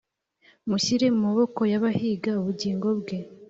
mushyire mu maboko y abahiga ubugingo bwe